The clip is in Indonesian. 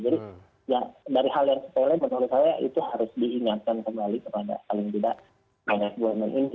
jadi dari hal yang seperti itu menurut saya itu harus diingatkan kembali kepada paling tidak bumn ini